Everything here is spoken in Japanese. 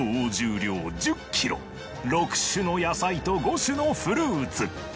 ６種の野菜と５種のフルーツ。